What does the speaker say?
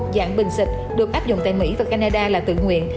dạng bình xịt được áp dụng tại mỹ và canada là tự nguyện